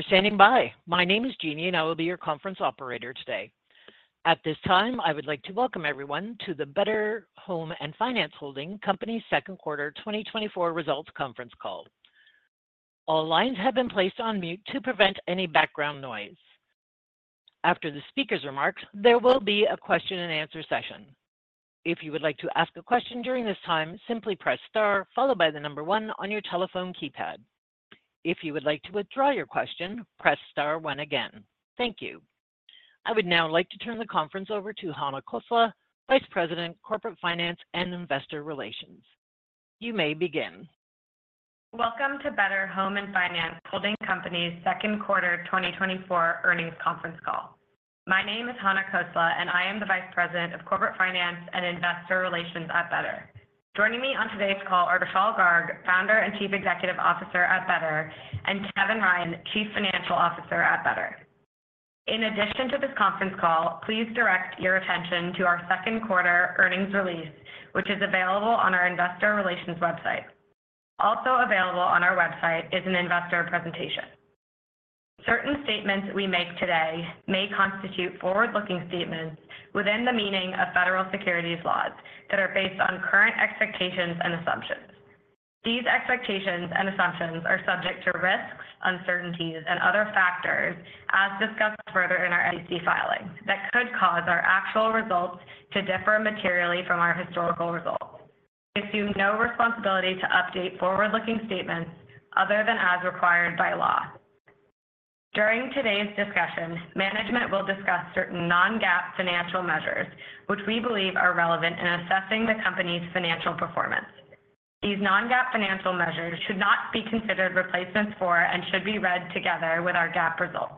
Thank you for standing by. My name is Jeannie, and I will be your conference operator today. At this time, I would like to welcome everyone to the Better Home & Finance Holding Company’s second quarter 2024 results conference call. All lines have been placed on mute to prevent any background noise. After the speaker’s remarks, there will be a question and answer session. If you would like to ask a question during this time, simply press Star, followed by the number 1 on your telephone keypad. If you would like to withdraw your question, press Star 1 again. Thank you. I would now like to turn the conference over to Hannah Khosla, Vice President, Corporate Finance and Investor Relations. You may begin. Welcome to Better Home & Finance Holding Company's second quarter 2024 earnings conference call. My name is Hannah Khosla, and I am the Vice President of Corporate Finance and Investor Relations at Better. Joining me on today's call are Vishal Garg, Founder and Chief Executive Officer at Better, and Kevin Ryan, Chief Financial Officer at Better. In addition to this conference call, please direct your attention to our second quarter earnings release, which is available on our investor relations website. Also available on our website is an investor presentation. Certain statements we make today may constitute forward-looking statements within the meaning of federal securities laws that are based on current expectations and assumptions. These expectations and assumptions are subject to risks, uncertainties and other factors, as discussed further in our SEC filings, that could cause our actual results to differ materially from our historical results. We assume no responsibility to update forward-looking statements other than as required by law. During today's discussion, management will discuss certain non-GAAP financial measures, which we believe are relevant in assessing the company's financial performance. These non-GAAP financial measures should not be considered replacements for and should be read together with our GAAP results.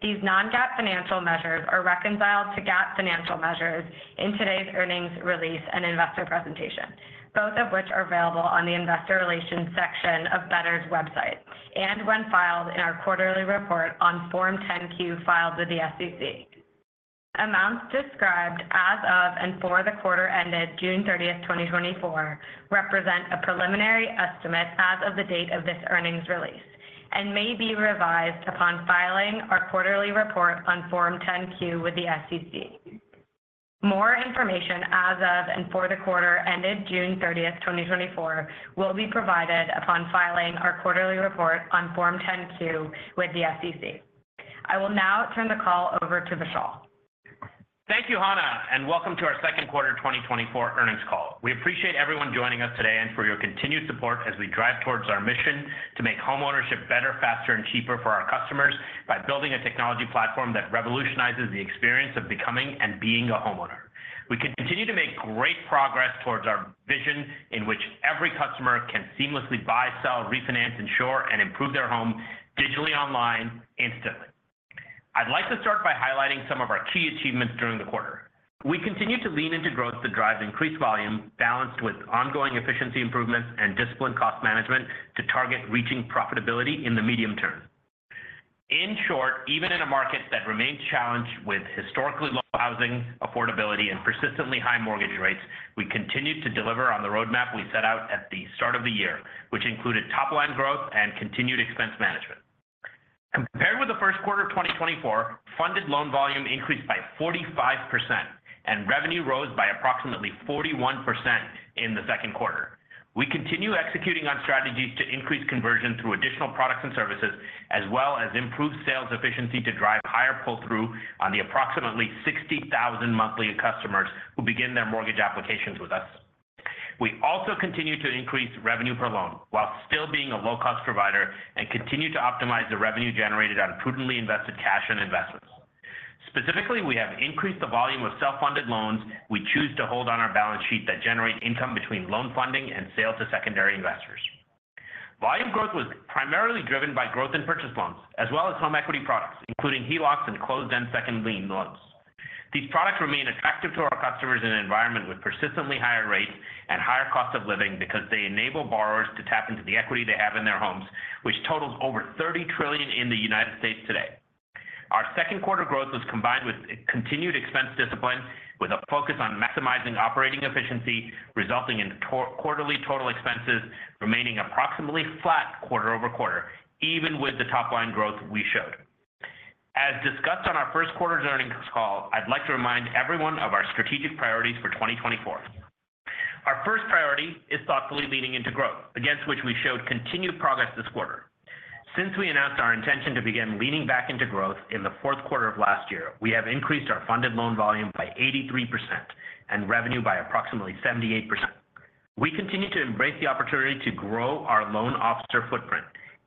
These non-GAAP financial measures are reconciled to GAAP financial measures in today's earnings release and investor presentation, both of which are available on the Investor Relations section of Better's website, and when filed in our quarterly report on Form 10-Q, filed with the SEC. Amounts described as of, and for the quarter ended June 30, 2024, represent a preliminary estimate as of the date of this earnings release, and may be revised upon filing our quarterly report on Form 10-Q with the SEC. More information as of, and for the quarter ended June 30, 2024, will be provided upon filing our quarterly report on Form 10-Q with the SEC. I will now turn the call over to Vishal. Thank you, Hannah, and welcome to our second quarter 2024 earnings call. We appreciate everyone joining us today and for your continued support as we drive towards our mission to make homeownership better, faster, and cheaper for our customers by building a technology platform that revolutionizes the experience of becoming and being a homeowner. We continue to make great progress towards our vision, in which every customer can seamlessly buy, sell, refinance, insure, and improve their home digitally online instantly. I'd like to start by highlighting some of our key achievements during the quarter. We continue to lean into growth to drive increased volume, balanced with ongoing efficiency improvements and disciplined cost management to target reaching profitability in the medium term. In short, even in a market that remains challenged with historically low housing affordability and persistently high mortgage rates, we continued to deliver on the roadmap we set out at the start of the year, which included top line growth and continued expense management. Compared with the first quarter of 2024, funded loan volume increased by 45%, and revenue rose by approximately 41% in the second quarter. We continue executing on strategies to increase conversion through additional products and services, as well as improved sales efficiency to drive higher pull-through on the approximately 60,000 monthly customers who begin their mortgage applications with us. We also continue to increase revenue per loan while still being a low-cost provider, and continue to optimize the revenue generated out of prudently invested cash and investments. Specifically, we have increased the volume of self-funded loans we choose to hold on our balance sheet that generate income between loan funding and sale to secondary investors. Volume growth was primarily driven by growth in purchase loans, as well as home equity products, including HELOCs and closed-end second lien loans. These products remain attractive to our customers in an environment with persistently higher rates and higher costs of living because they enable borrowers to tap into the equity they have in their homes, which totals over $30 trillion in the United States today. Our second quarter growth was combined with continued expense discipline, with a focus on maximizing operating efficiency, resulting in quarterly total expenses remaining approximately flat quarter-over-quarter, even with the top line growth we showed. As discussed on our first quarter's earnings call, I'd like to remind everyone of our strategic priorities for 2024. Our first priority is thoughtfully leaning into growth, against which we showed continued progress this quarter. Since we announced our intention to begin leaning back into growth in the fourth quarter of last year, we have increased our funded loan volume by 83% and revenue by approximately 78%. We continue to embrace the opportunity to grow our loan officer footprint,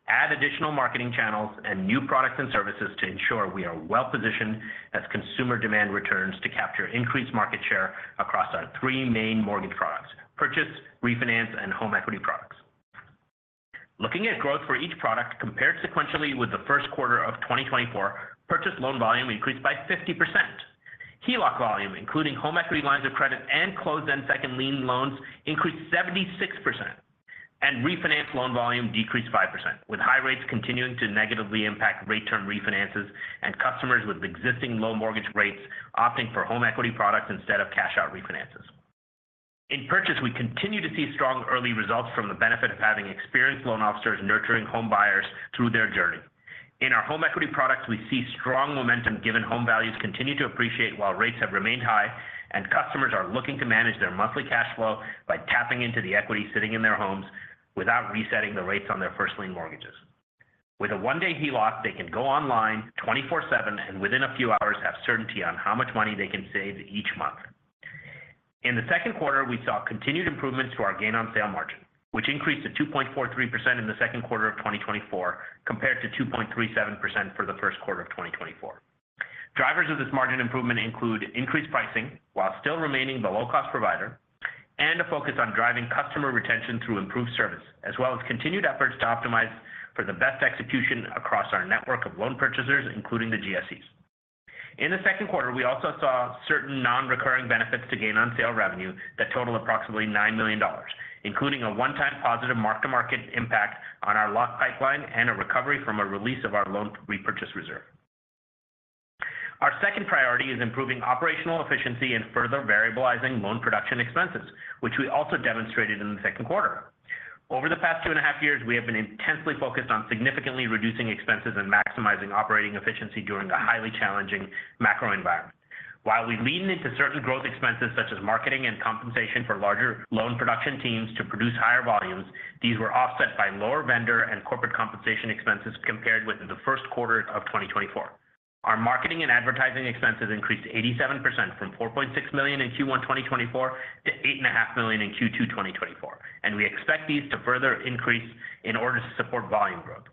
add additional marketing channels and new products and services to ensure we are well-positioned as consumer demand returns to capture increased market share across our three main mortgage products: purchase, refinance, and home equity products. Looking at growth for each product, compared sequentially with the first quarter of 2024, purchase loan volume increased by 50%. HELOC volume, including home equity lines of credit and closed-end second lien loans, increased 76%, and refinance loan volume decreased 5%, with high rates continuing to negatively impact rate term refinances and customers with existing low mortgage rates, opting for home equity products instead of cash-out refinances. In purchase, we continue to see strong early results from the benefit of having experienced loan officers nurturing home buyers through their journey. In our home equity products, we see strong momentum given home values continue to appreciate while rates have remained high, and customers are looking to manage their monthly cash flow by tapping into the equity sitting in their homes without resetting the rates on their first lien mortgages. With a one-day HELOC, they can go online 24/7, and within a few hours, have certainty on how much money they can save each month. In the second quarter, we saw continued improvements to our gain on sale margin, which increased to 2.43% in the second quarter of 2024, compared to 2.37% for the first quarter of 2024. Drivers of this margin improvement include increased pricing, while still remaining the low-cost provider, and a focus on driving customer retention through improved service, as well as continued efforts to optimize for the best execution across our network of loan purchasers, including the GSEs. In the second quarter, we also saw certain non-recurring benefits to gain on sale revenue that total approximately $9 million, including a one-time positive mark-to-market impact on our lock pipeline and a recovery from a release of our loan repurchase reserve. Our second priority is improving operational efficiency and further variabilizing loan production expenses, which we also demonstrated in the second quarter. Over the past 2.5 years, we have been intensely focused on significantly reducing expenses and maximizing operating efficiency during a highly challenging macro environment. While we lean into certain growth expenses, such as marketing and compensation for larger loan production teams to produce higher volumes, these were offset by lower vendor and corporate compensation expenses compared with the first quarter of 2024. Our marketing and advertising expenses increased 87% from $4.6 million in Q1 2024 to $8.5 million in Q2 2024, and we expect these to further increase in order to support volume growth.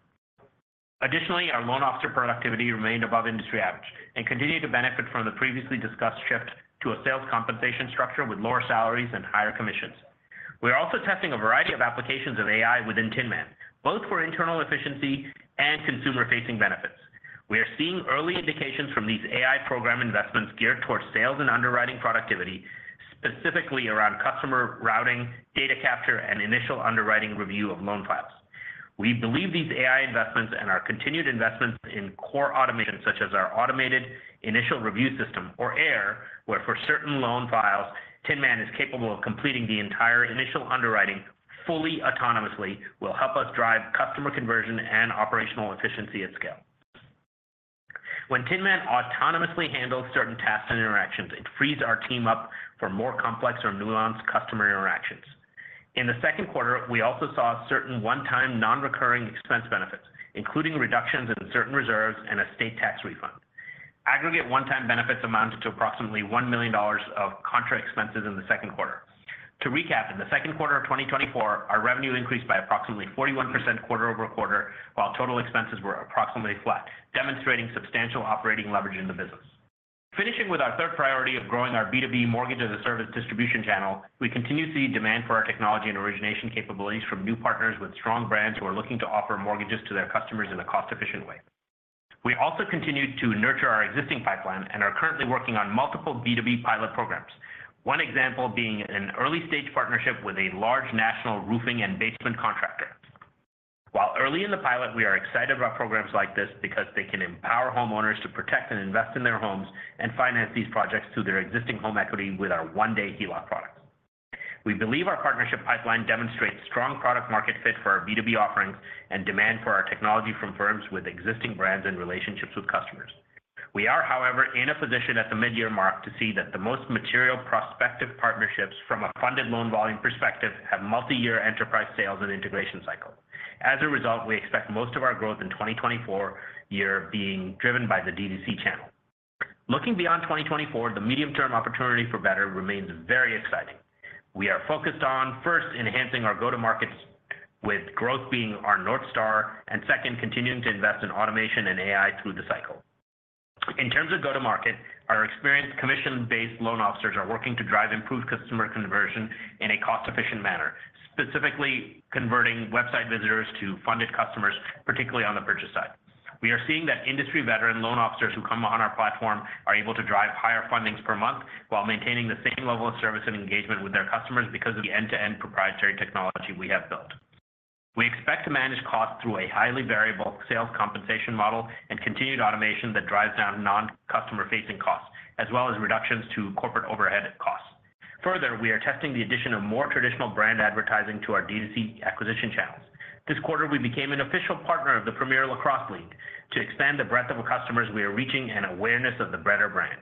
Additionally, our loan officer productivity remained above industry average and continued to benefit from the previously discussed shift to a sales compensation structure with lower salaries and higher commissions. We are also testing a variety of applications of AI within Tinman, both for internal efficiency and consumer-facing benefits. We are seeing early indications from these AI program investments geared towards sales and underwriting productivity, specifically around customer routing, data capture, and initial underwriting review of loan files. We believe these AI investments and our continued investments in core automation, such as our automated initial review system or AIR, where for certain loan files, Tinman is capable of completing the entire initial underwriting fully autonomously, will help us drive customer conversion and operational efficiency at scale. When Tinman autonomously handles certain tasks and interactions, it frees our team up for more complex or nuanced customer interactions. In the second quarter, we also saw certain one-time, non-recurring expense benefits, including reductions in certain reserves and a state tax refund. Aggregate one-time benefits amounted to approximately $1 million of contra expenses in the second quarter. To recap, in the second quarter of 2024, our revenue increased by approximately 41% quarter-over-quarter, while total expenses were approximately flat, demonstrating substantial operating leverage in the business. Finishing with our third priority of growing our B2B mortgage as a service distribution channel, we continue to see demand for our technology and origination capabilities from new partners with strong brands who are looking to offer mortgages to their customers in a cost-efficient way. We also continued to nurture our existing pipeline and are currently working on multiple B2B pilot programs. One example being an early-stage partnership with a large national roofing and basement contractor. While early in the pilot, we are excited about programs like this because they can empower homeowners to protect and invest in their homes and finance these projects through their existing home equity with our one-day HELOC products. We believe our partnership pipeline demonstrates strong product market fit for our B2B offerings and demand for our technology from firms with existing brands and relationships with customers. We are, however, in a position at the midyear mark to see that the most material prospective partnerships from a funded loan volume perspective have multiyear enterprise sales and integration cycle. As a result, we expect most of our growth in 2024 year being driven by the D2C channel. Looking beyond 2024, the medium-term opportunity for Better remains very exciting. We are focused on, first, enhancing our go-to-markets, with growth being our North Star, and second, continuing to invest in automation and AI through the cycle. In terms of go-to-market, our experienced commission-based loan officers are working to drive improved customer conversion in a cost-efficient manner, specifically converting website visitors to funded customers, particularly on the purchase side. We are seeing that industry veteran loan officers who come on our platform are able to drive higher fundings per month while maintaining the same level of service and engagement with their customers because of the end-to-end proprietary technology we have built. We expect to manage costs through a highly variable sales compensation model and continued automation that drives down non-customer-facing costs, as well as reductions to corporate overhead costs. Further, we are testing the addition of more traditional brand advertising to our D2C acquisition channels. This quarter, we became an official partner of the Premier Lacrosse League to expand the breadth of our customers we are reaching and awareness of the Better brand.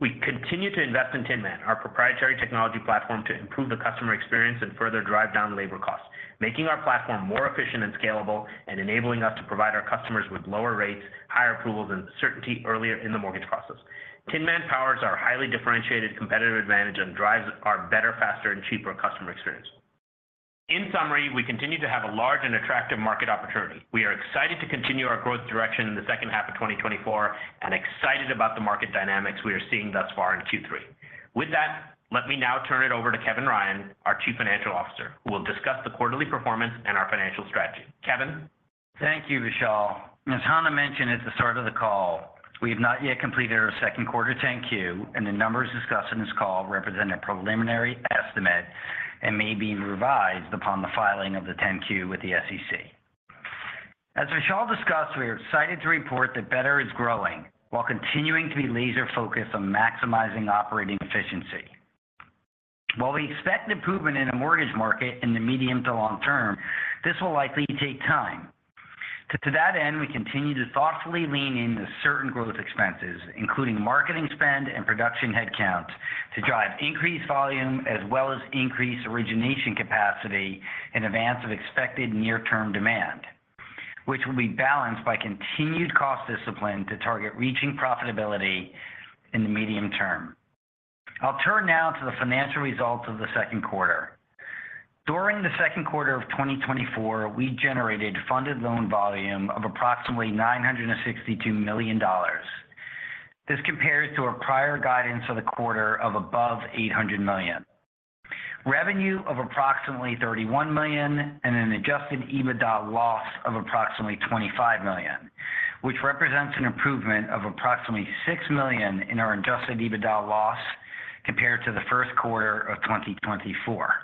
We continue to invest in Tinman, our proprietary technology platform, to improve the customer experience and further drive down labor costs, making our platform more efficient and scalable and enabling us to provide our customers with lower rates, higher approvals, and certainty earlier in the mortgage process. Tinman powers our highly differentiated competitive advantage and drives our better, faster, and cheaper customer experience. In summary, we continue to have a large and attractive market opportunity. We are excited to continue our growth direction in the second half of 2024, and excited about the market dynamics we are seeing thus far in Q3. With that, let me now turn it over to Kevin Ryan, our Chief Financial Officer, who will discuss the quarterly performance and our financial strategy. Kevin? Thank you, Vishal. As Hannah mentioned at the start of the call, we have not yet completed our second quarter 10-Q, and the numbers discussed in this call represent a preliminary estimate and may be revised upon the filing of the 10-Q with the SEC. As Vishal discussed, we are excited to report that Better is growing while continuing to be laser-focused on maximizing operating efficiency. While we expect improvement in the mortgage market in the medium to long term, this will likely take time. To that end, we continue to thoughtfully lean into certain growth expenses, including marketing spend and production headcount, to drive increased volume as well as increase origination capacity in advance of expected near-term demand, which will be balanced by continued cost discipline to target reaching profitability in the medium term. I'll turn now to the financial results of the second quarter. During the second quarter of 2024, we generated funded loan volume of approximately $962 million. This compares to our prior guidance for the quarter of above $800 million. Revenue of approximately $31 million and an adjusted EBITDA loss of approximately $25 million, which represents an improvement of approximately $6 million in our adjusted EBITDA loss compared to the first quarter of 2024.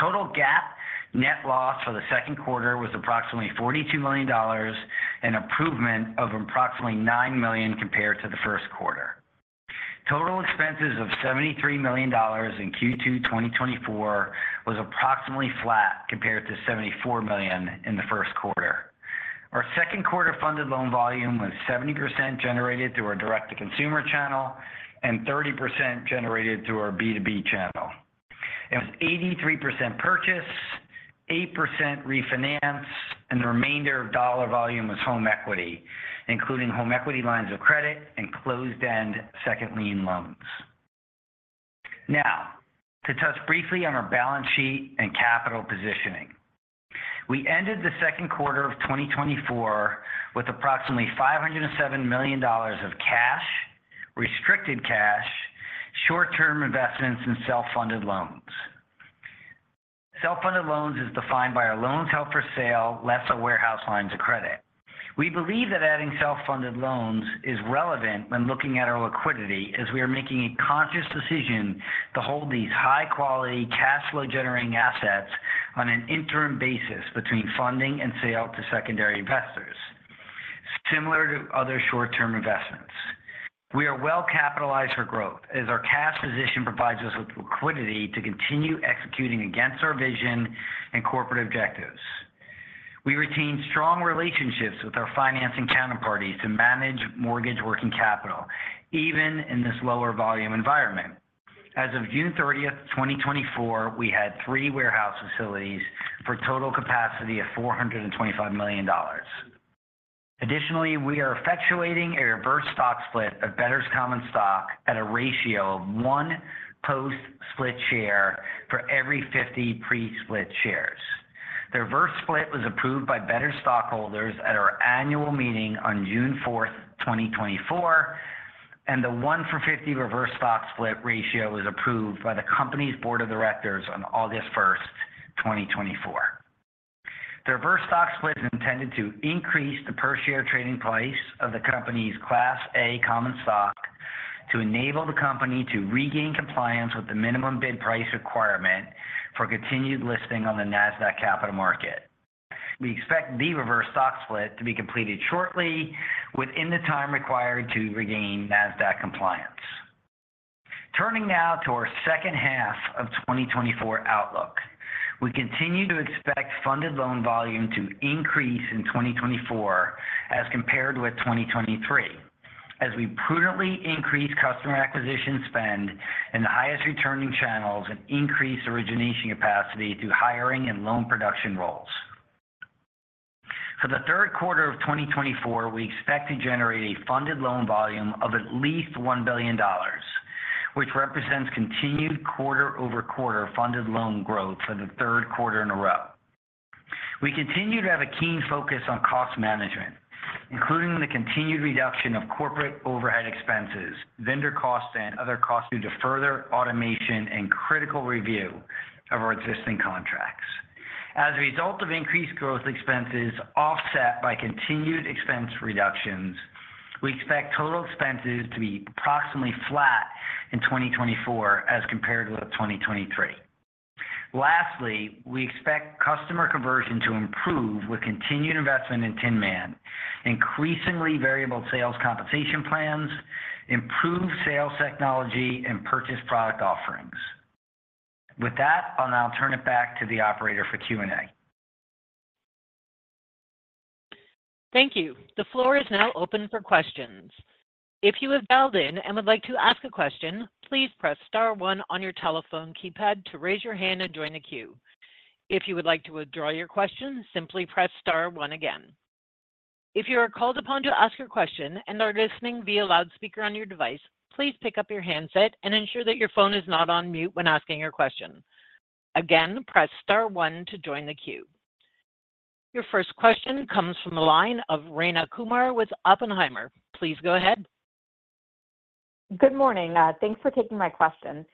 Total GAAP net loss for the second quarter was approximately $42 million, an improvement of approximately $9 million compared to the first quarter. Total expenses of $73 million in Q2 2024 was approximately flat compared to $74 million in the first quarter. Our second quarter funded loan volume was 70% generated through our direct-to-consumer channel and 30% generated through our B2B channel. It was 83% purchase, 8% refinance, and the remainder of dollar volume was home equity, including home equity lines of credit and closed-end second lien loans. Now, to touch briefly on our balance sheet and capital positioning. We ended the second quarter of 2024 with approximately $507 million of cash, restricted cash, short-term investments, and self-funded loans. Self-funded loans is defined by our loans held for sale, less a warehouse lines of credit. We believe that adding self-funded loans is relevant when looking at our liquidity, as we are making a conscious decision to hold these high-quality, cash flow-generating assets on an interim basis between funding and sale to secondary investors, similar to other short-term investments. We are well-capitalized for growth as our cash position provides us with liquidity to continue executing against our vision and corporate objectives. We retain strong relationships with our financing counterparties to manage mortgage working capital, even in this lower volume environment. As of June 30th, 2024, we had 3 warehouse facilities for a total capacity of $425 million. Additionally, we are effectuating a reverse stock split of Better's common stock at a ratio of 1 post-split share for every 50 pre-split shares. The reverse split was approved by Better stockholders at our annual meeting on June 4th, 2024, and the 1-for-50 reverse stock split ratio was approved by the company's board of directors on August 1st, 2024. The reverse stock split is intended to increase the per-share trading price of the company's Class A common stock to enable the company to regain compliance with the minimum bid price requirement for continued listing on the Nasdaq Capital Market. We expect the reverse stock split to be completed shortly within the time required to regain Nasdaq compliance. Turning now to our second half of 2024 outlook. We continue to expect funded loan volume to increase in 2024 as compared with 2023, as we prudently increase customer acquisition spend in the highest-returning channels and increase origination capacity through hiring and loan production roles. For the third quarter of 2024, we expect to generate a funded loan volume of at least $1 billion, which represents continued quarter-over-quarter funded loan growth for the third quarter in a row. We continue to have a keen focus on cost management, including the continued reduction of corporate overhead expenses, vendor costs, and other costs due to further automation and critical review of our existing contracts. As a result of increased growth expenses offset by continued expense reductions, we expect total expenses to be approximately flat in 2024 as compared with 2023. Lastly, we expect customer conversion to improve with continued investment in Tinman, increasingly variable sales compensation plans, improved sales technology, and purchase product offerings. With that, I'll now turn it back to the operator for Q&A. Thank you. The floor is now open for questions. If you have dialed in and would like to ask a question, please press star one on your telephone keypad to raise your hand and join the queue. If you would like to withdraw your question, simply press star one again. If you are called upon to ask a question and are listening via loudspeaker on your device, please pick up your handset and ensure that your phone is not on mute when asking your question. Again, press star one to join the queue. Your first question comes from the line of Raina Kumar with Oppenheimer. Please go ahead. Good morning. Thanks for taking my question.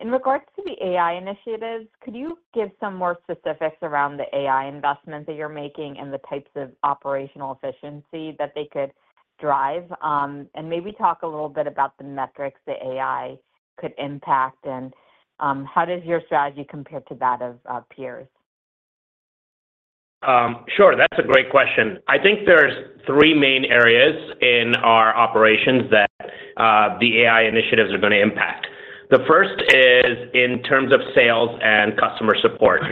In regards to the AI initiatives, could you give some more specifics around the AI investment that you're making and the types of operational efficiency that they could drive? And maybe talk a little bit about the metrics that AI could impact, and how does your strategy compare to that of peers? Sure. That's a great question. I think there's three main areas in our operations that, the AI initiatives are going to impact. The first is in terms of sales and customer support.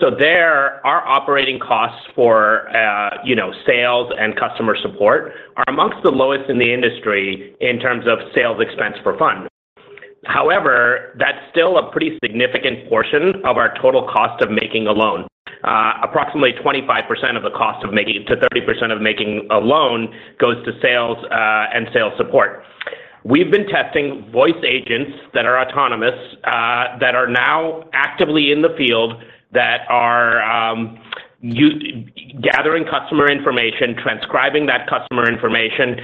So there, our operating costs for, you know, sales and customer support are among the lowest in the industry in terms of sales expense per fund. However, that's still a pretty significant portion of our total cost of making a loan. Approximately 25%-30% of the cost of making a loan goes to sales and sales support. We've been testing voice agents that are autonomous, that are now actively in the field, that are gathering customer information, transcribing that customer information,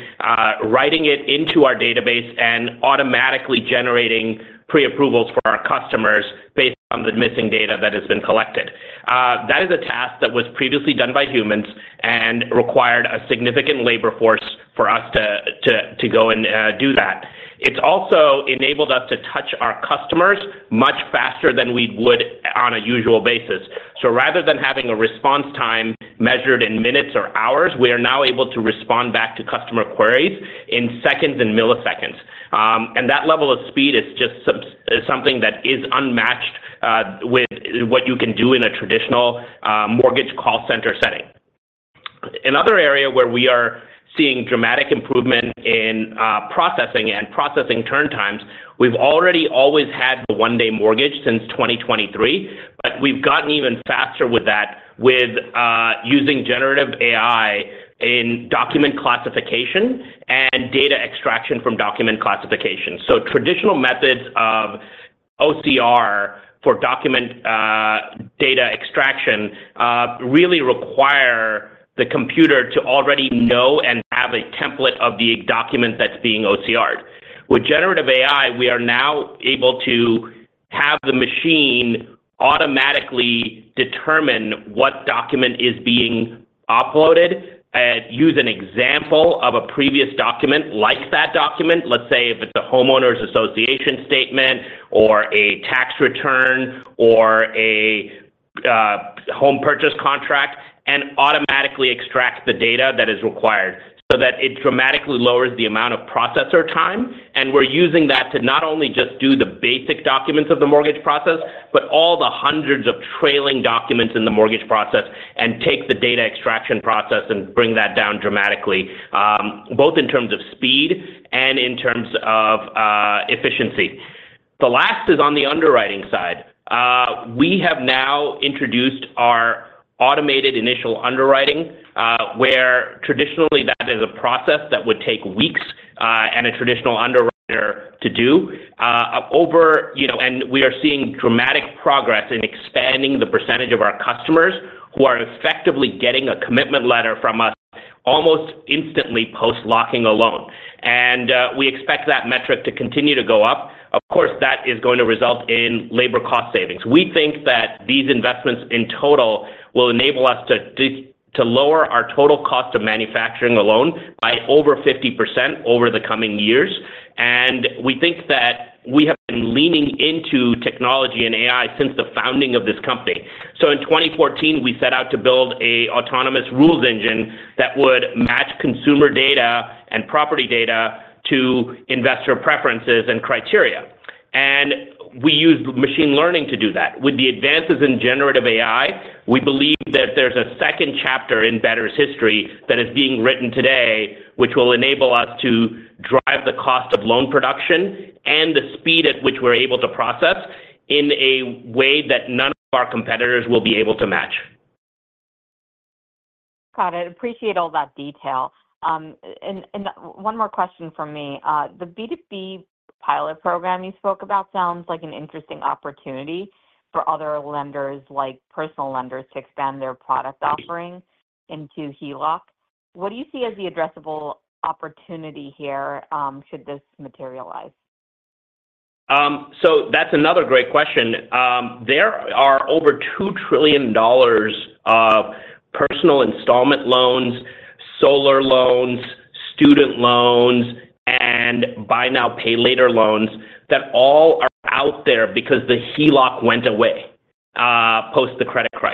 writing it into our database, and automatically generating pre-approvals for our customers based on the missing data that has been collected. That is a task that was previously done by humans and required a significant labor force for us to go and do that. It's also enabled us to touch our customers much faster than we would on a usual basis. So rather than having a response time measured in minutes or hours, we are now able to respond back to customer queries in seconds and milliseconds. And that level of speed is just something that is unmatched with what you can do in a traditional mortgage call center setting. Another area where we are seeing dramatic improvement in processing and processing turn times, we've already always had the one-day mortgage since 2023, but we've gotten even faster with that, with using generative AI in document classification and data extraction from document classification. So traditional methods of OCR for document data extraction really require the computer to already know and have a template of the document that's being OCR'd. With generative AI, we are now able to have the machine automatically determine what document is being uploaded, use an example of a previous document like that document. Let's say, if it's a homeowner's association statement, or a tax return, or a home purchase contract, and automatically extract the data that is required, so that it dramatically lowers the amount of processor time. And we're using that to not only just do the basic documents of the mortgage process, but all the hundreds of trailing documents in the mortgage process, and take the data extraction process and bring that down dramatically, both in terms of speed and in terms of efficiency. The last is on the underwriting side. We have now introduced our automated initial underwriting, where traditionally that is a process that would take weeks, and a traditional underwriter to do. You know, and we are seeing dramatic progress in expanding the percentage of our customers who are effectively getting a commitment letter from us almost instantly post-locking a loan, and we expect that metric to continue to go up. Of course, that is going to result in labor cost savings. We think that these investments in total will enable us to lower our total cost of manufacturing a loan by over 50% over the coming years. We think that we have been leaning into technology and AI since the founding of this company. In 2014, we set out to build an autonomous rules engine that would match consumer data and property data to investor preferences and criteria. We used machine learning to do that. With the advances in generative AI, we believe that there's a second chapter in Better's history that is being written today, which will enable us to drive the cost of loan production and the speed at which we're able to process, in a way that none of our competitors will be able to match. Got it. Appreciate all that detail. And one more question from me. The B2B pilot program you spoke about sounds like an interesting opportunity for other lenders, like personal lenders, to expand their product offerings into HELOC. What do you see as the addressable opportunity here, should this materialize? So that's another great question. There are over $2 trillion of personal installment loans, solar loans, student loans, and buy now, pay later loans that all are out there because the HELOC went away post the credit crisis.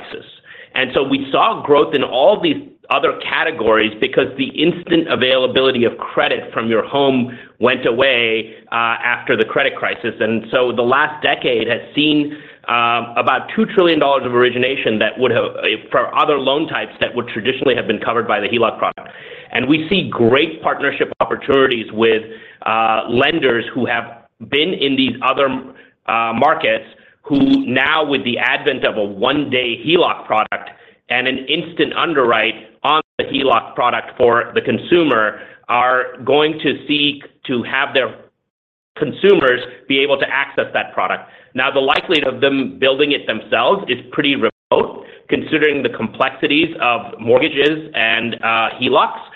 And so we saw growth in all these other categories because the instant availability of credit from your home went away after the credit crisis. And so the last decade has seen about $2 trillion of origination that would have for other loan types that would traditionally have been covered by the HELOC product. We see great partnership opportunities with lenders who have been in these other markets, who now, with the advent of a one-day HELOC product and an instant underwrite on the HELOC product for the consumer, are going to seek to have their consumers be able to access that product. Now, the likelihood of them building it themselves is pretty remote, considering the complexities of mortgages and HELOCs.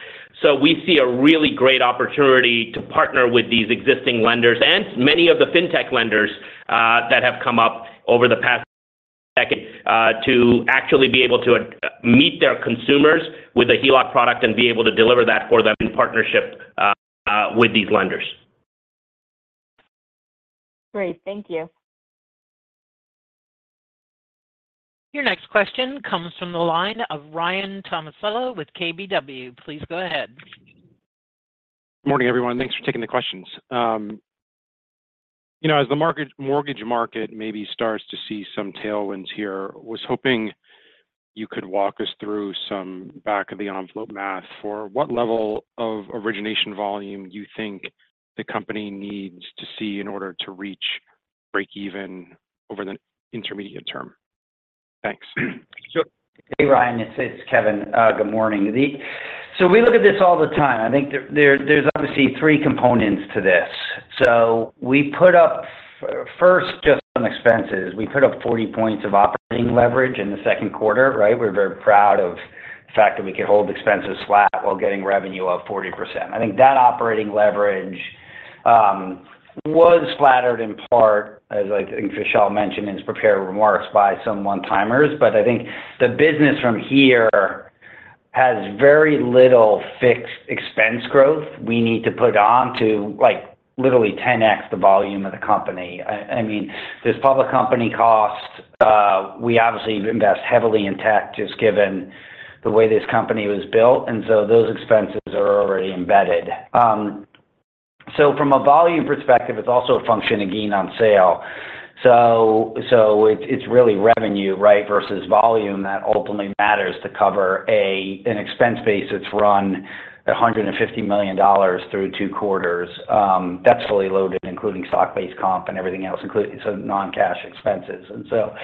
So we see a really great opportunity to partner with these existing lenders and many of the fintech lenders that have come up over the past decade to actually be able to meet their consumers with a HELOC product and be able to deliver that for them in partnership with these lenders. Great. Thank you. Your next question comes from the line of Ryan Tomasello with KBW. Please go ahead. Good morning, everyone. Thanks for taking the questions. You know, as the mortgage market maybe starts to see some tailwinds here, I was hoping you could walk us through some back-of-the-envelope math for what level of origination volume you think the company needs to see in order to reach breakeven over the intermediate term? Thanks. Hey, Ryan, it's Kevin. Good morning to you. So we look at this all the time. I think there's obviously three components to this. So we put up, first, just on expenses, we put up 40 points of operating leverage in the second quarter, right? We're very proud of the fact that we could hold expenses flat while getting revenue up 40%. I think that operating leverage was flattered in part, as I think Vishal mentioned in his prepared remarks, by some one-timers. But I think the business from here has very little fixed expense growth we need to put on to, like, literally 10x the volume of the company. I mean, this public company cost, we obviously invest heavily in tech, just given the way this company was built, and so those expenses are already embedded. So from a volume perspective, it's also a function of gain on sale. So it's really revenue, right, versus volume that ultimately matters to cover an expense base that's run $150 million through two quarters. That's fully loaded, including stock-based comp and everything else, including so non-cash expenses. And so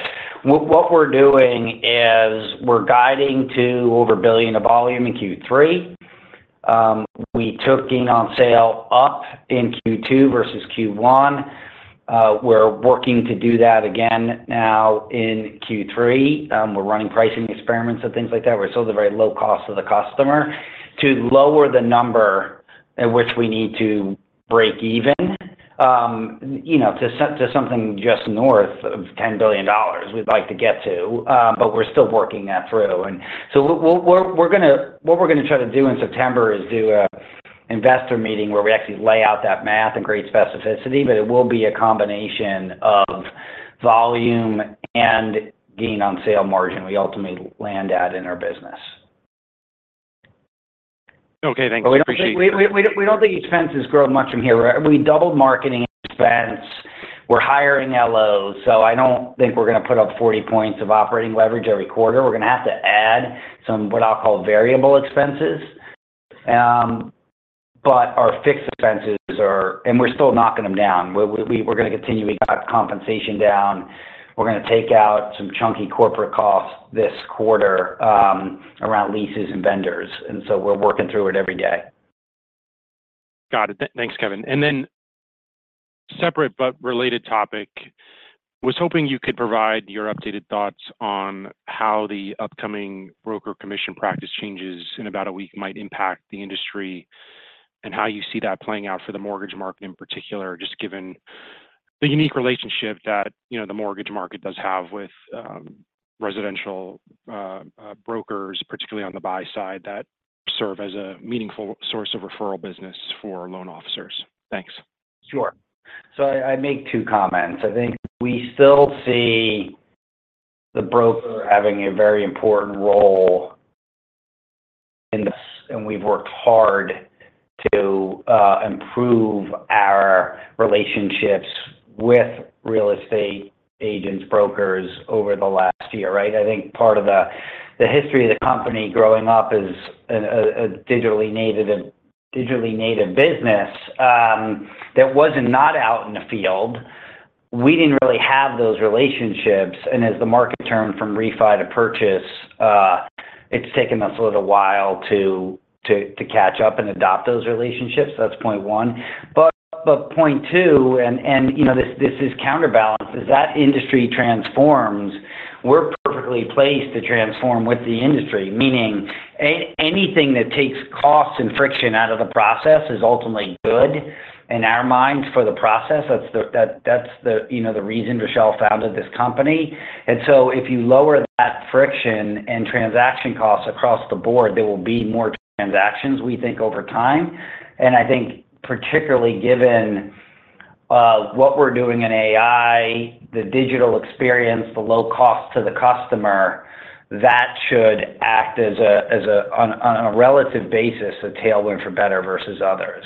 what we're doing is we're guiding to over $1 billion of volume in Q3. We took gain on sale up in Q2 versus Q1. We're working to do that again now in Q3. We're running pricing experiments and things like that. We're still the very low cost to the customer to lower the number at which we need to break even, you know, to something just north of $10 billion we'd like to get to, but we're still working that through. So what we're gonna try to do in September is do an investor meeting where we actually lay out that math in great specificity, but it will be a combination of volume and gain on sale margin we ultimately land at in our business. Okay, thanks. Appreciate it. We don't think expenses grow much from here. We doubled marketing expense. We're hiring LOs, so I don't think we're gonna put up 40 points of operating leverage every quarter. We're gonna have to add some, what I'll call, variable expenses. But our fixed expenses are, and we're still knocking them down. We're gonna continue to get compensation down. We're gonna take out some chunky corporate costs this quarter, around leases and vendors, and so we're working through it every day. Got it. Thanks, Kevin. And then separate but related topic: was hoping you could provide your updated thoughts on how the upcoming broker commission practice changes in about a week might impact the industry, and how you see that playing out for the mortgage market in particular, just given the unique relationship that, you know, the mortgage market does have with residential brokers, particularly on the buy side, that serve as a meaningful source of referral business for loan officers. Thanks. Sure. So I make two comments. I think we still see the broker having a very important role in this, and we've worked hard to improve our relationships with real estate agents, brokers over the last year, right? I think part of the history of the company growing up as a digitally native business that was not out in the field. We didn't really have those relationships, and as the market turned from refi to purchase, it's taken us a little while to catch up and adopt those relationships. That's point one. But point two, and you know this is counterbalanced, as that industry transforms, we're perfectly placed to transform with the industry. Meaning, anything that takes costs and friction out of the process is ultimately good in our minds for the process. That's the... That's the, you know, the reason Vishal founded this company. And so if you lower that friction and transaction costs across the board, there will be more transactions, we think, over time. And I think particularly given what we're doing in AI, the digital experience, the low cost to the customer, that should act as a on a relative basis, a tailwind for Better versus others.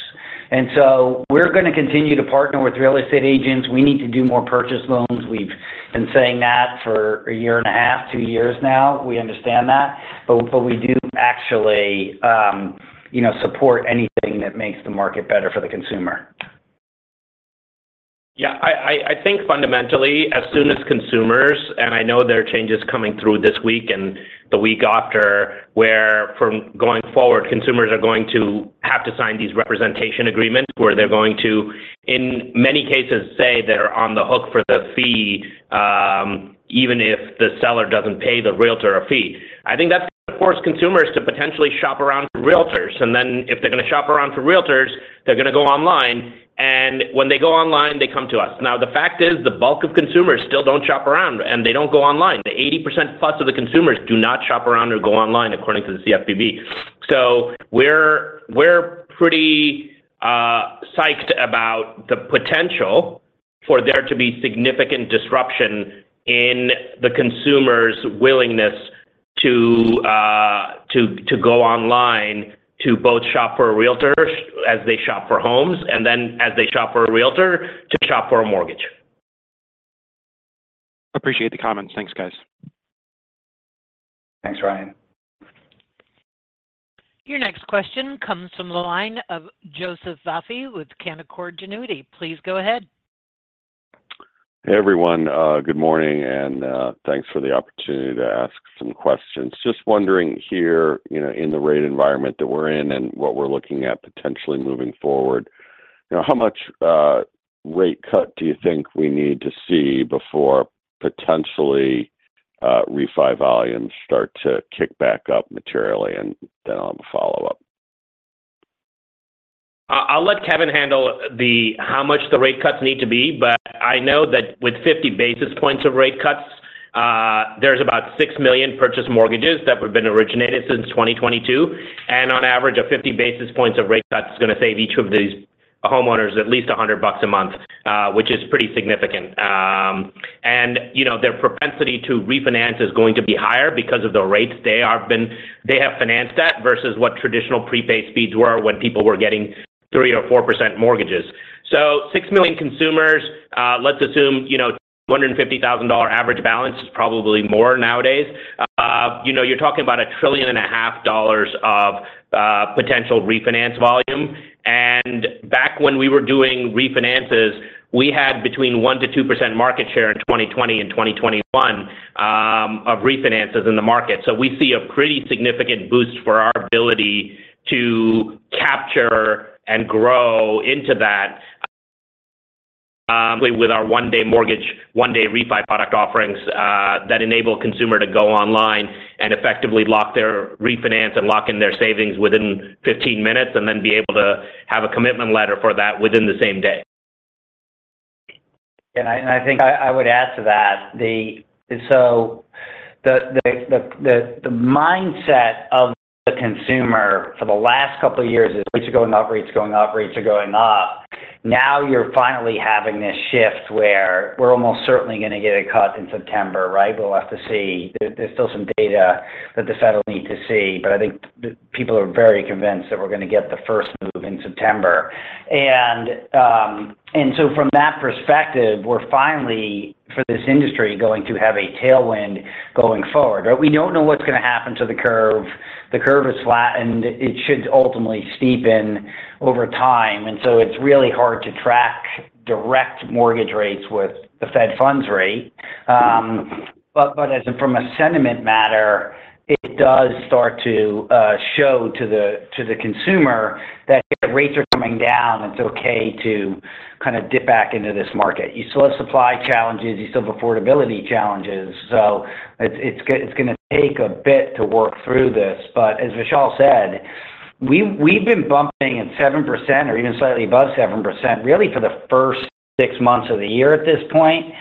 And so we're gonna continue to partner with real estate agents. We need to do more purchase loans. We've been saying that for a year and a half, two years now. We understand that, but we do actually, you know, support anything that makes the market better for the consumer. Yeah, I think fundamentally, as soon as consumers, and I know there are changes coming through this week and the week after, where from going forward, consumers are going to have to sign these representation agreements, where they're going to, in many cases, say they're on the hook for the fee, even if the seller doesn't pay the realtor a fee. I think that's forced consumers to potentially shop around for realtors, and then if they're gonna shop around for realtors, they're gonna go online, and when they go online, they come to us. Now, the fact is, the bulk of consumers still don't shop around, and they don't go online. The 80% plus of the consumers do not shop around or go online, according to the CFPB.... So we're pretty psyched about the potential for there to be significant disruption in the consumer's willingness to go online to both shop for a realtor as they shop for homes, and then as they shop for a realtor, to shop for a mortgage. Appreciate the comments. Thanks, guys. Thanks, Ryan. Your next question comes from the line of Joseph Vafi with Canaccord Genuity. Please go ahead. Hey, everyone. Good morning, and thanks for the opportunity to ask some questions. Just wondering here, you know, in the rate environment that we're in and what we're looking at potentially moving forward, you know, how much rate cut do you think we need to see before potentially refi volumes start to kick back up materially, and then I'll have a follow-up? I'll let Kevin handle the how much the rate cuts need to be, but I know that with 50 basis points of rate cuts, there's about 6 million purchase mortgages that have been originated since 2022, and on average, a 50 basis points of rate cut is gonna save each of these homeowners at least $100 a month, which is pretty significant. And, you know, their propensity to refinance is going to be higher because of the rates they have financed at versus what traditional prepaid speeds were when people were getting 3% or 4% mortgages. So 6 million consumers, let's assume, you know, $150,000 average balance is probably more nowadays. You know, you're talking about $1.5 trillion of potential refinance volume. Back when we were doing refinances, we had between 1%-2% market share in 2020 and 2021 of refinances in the market. So we see a pretty significant boost for our ability to capture and grow into that, with our one-day mortgage, one-day refi product offerings, that enable consumer to go online and effectively lock their refinance and lock in their savings within 15 minutes, and then be able to have a commitment letter for that within the same day. I think I would add to that. So the mindset of the consumer for the last couple of years is rates are going up, rates are going up, rates are going up. Now, you're finally having this shift where we're almost certainly gonna get a cut in September, right? We'll have to see. There's still some data that the Fed needs to see, but I think people are very convinced that we're gonna get the first move in September. And so from that perspective, we're finally, for this industry, going to have a tailwind going forward. But we don't know what's gonna happen to the curve. The curve is flattened. It should ultimately steepen over time, and so it's really hard to track direct mortgage rates with the Fed funds rate. But as from a sentiment matter, it does start to show to the consumer that rates are coming down, it's okay to kind of dip back into this market. You still have supply challenges, you still have affordability challenges, so it's gonna take a bit to work through this. But as Vishal said, we've been bumping at 7% or even slightly above 7%, really, for the first six months of the year at this point.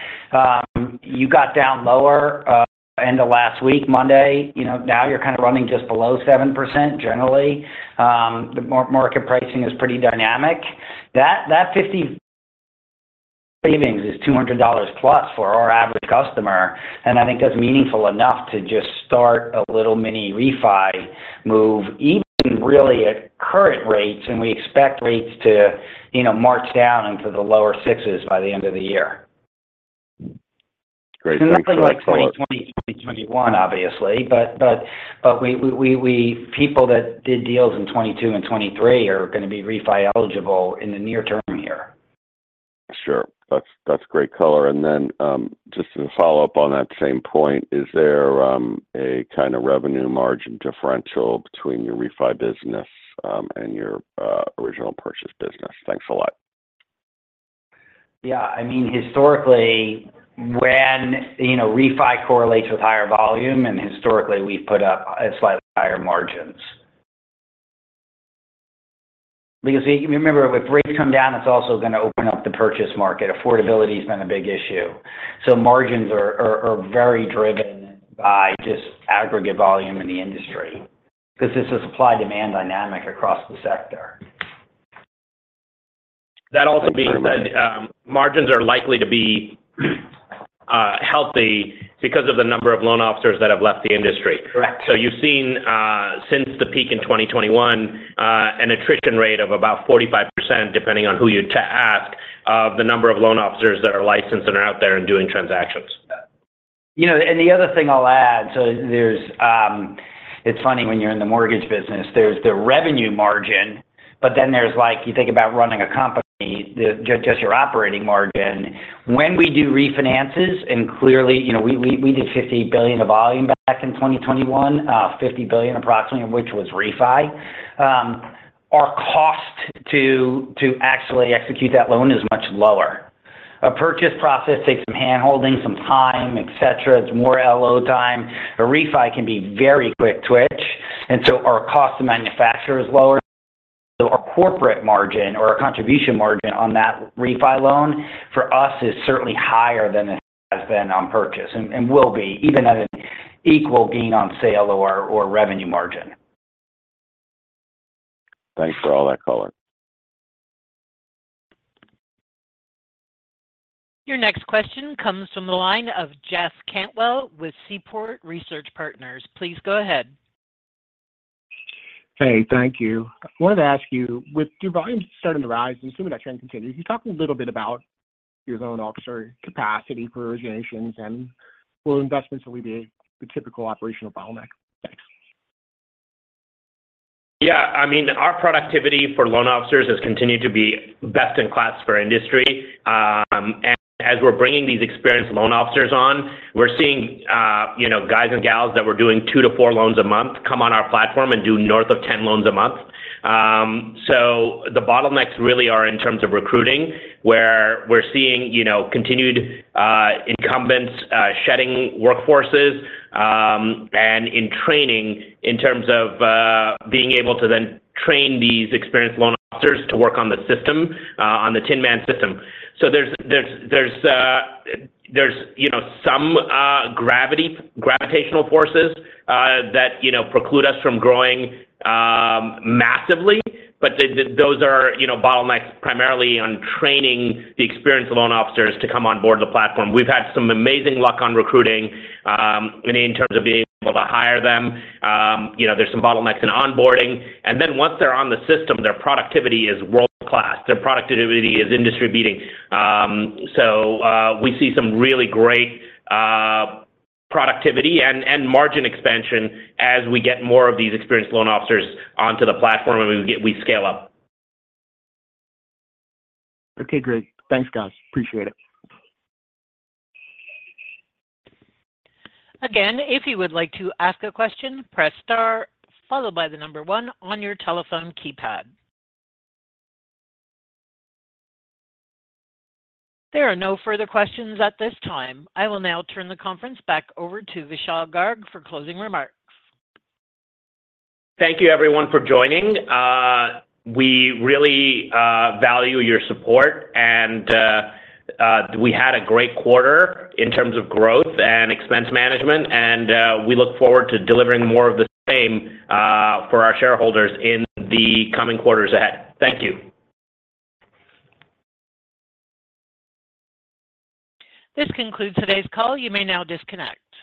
You got down lower end of last week, Monday, you know, now you're kind of running just below 7%, generally. The market pricing is pretty dynamic. That $50 savings is $200 plus for our average customer, and I think that's meaningful enough to just start a little mini refi move, even really at current rates, and we expect rates to, you know, march down into the lower sixes by the end of the year. Great. Nothing like 2020, 2021, obviously, but we, people that did deals in 2022 and 2023 are gonna be refi eligible in the near term here. Sure. That's, that's great color. And then, just to follow up on that same point, is there, a kind of revenue margin differential between your refi business, and your, original purchase business? Thanks a lot. Yeah. I mean, historically, when, you know, refi correlates with higher volume, and historically, we've put up a slightly higher margins. Because remember, if rates come down, it's also gonna open up the purchase market. Affordability has been a big issue. So margins are very driven by just aggregate volume in the industry because it's a supply-demand dynamic across the sector. That also means that, margins are likely to be healthy because of the number of loan officers that have left the industry. Correct. So you've seen, since the peak in 2021, an attrition rate of about 45%, depending on who you're to ask, of the number of loan officers that are licensed and are out there and doing transactions. You know, and the other thing I'll add, so there's... It's funny when you're in the mortgage business, there's the revenue margin, but then there's, like, you think about running a company, just, just your operating margin. When we do refinances, and clearly, you know, we did $50 billion of volume back in 2021, $50 billion, approximately, of which was refi. Our cost to actually execute that loan is much lower. A purchase process takes some handholding, some time, et cetera. It's more LO time. A refi can be very quick twitch, and so our cost to manufacture is lower. So our corporate margin or our contribution margin on that refi loan for us is certainly higher than it has been on purchase and will be even at an equal gain on sale or revenue margin. Thanks for all that color. Your next question comes from the line of Jeff Cantwell with Seaport Research Partners. Please go ahead. Hey, thank you. I wanted to ask you, with your volumes starting to rise, I'm assuming that trend continues. Can you talk a little bit about your loan officer capacity for originations, and will investments alleviate the typical operational bottleneck? Thanks. Yeah, I mean, our productivity for loan officers has continued to be best in class for industry. And as we're bringing these experienced loan officers on, we're seeing, you know, guys and gals that were doing 2-4 loans a month, come on our platform and do north of 10 loans a month. So the bottlenecks really are in terms of recruiting, where we're seeing, you know, continued incumbents shedding workforces, and in training, in terms of, being able to then train these experienced loan officers to work on the system, on the Tinman system. So there's, you know, some gravitational forces, that, you know, preclude us from growing massively, but those are, you know, bottlenecks primarily on training the experienced loan officers to come on board the platform. We've had some amazing luck on recruiting in terms of being able to hire them. You know, there's some bottlenecks in onboarding, and then once they're on the system, their productivity is world-class. Their productivity is industry-beating. So we see some really great productivity and margin expansion as we get more of these experienced loan officers onto the platform and we scale up. Okay, great. Thanks, guys. Appreciate it. Again, if you would like to ask a question, press star, followed by the number one on your telephone keypad. There are no further questions at this time. I will now turn the conference back over to Vishal Garg for closing remarks. Thank you, everyone, for joining. We really value your support, and we had a great quarter in terms of growth and expense management, and we look forward to delivering more of the same for our shareholders in the coming quarters ahead. Thank you. This concludes today's call. You may now disconnect.